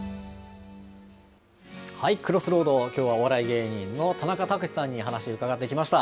Ｃｒｏｓｓｒｏａｄ、きょうはお笑い芸人の田中卓志さんに話、伺ってきました。